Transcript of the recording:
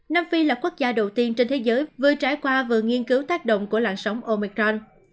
nam phi là quốc gia đầu tiên trên thế giới vừa trải qua vừa nghiên cứu tác động của làng sóng omicron